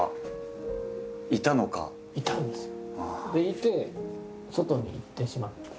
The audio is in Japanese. いて外に行ってしまった。